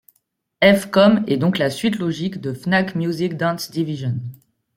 F Com est donc la suite logique de Fnac Music Dance Division.